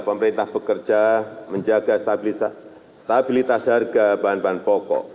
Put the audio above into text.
pemerintah bekerja menjaga stabilitas harga bahan bahan pokok